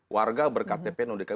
warga berktp non dki